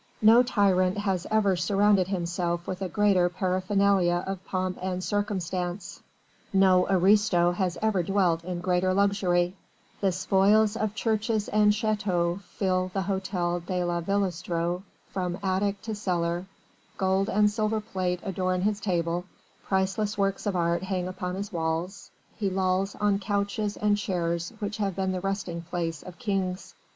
No tyrant has ever surrounded himself with a greater paraphernalia of pomp and circumstance no aristo has ever dwelt in greater luxury: the spoils of churches and chateaux fill the Hôtel de la Villestreux from attic to cellar, gold and silver plate adorn his table, priceless works of art hang upon his walls, he lolls on couches and chairs which have been the resting place of kings.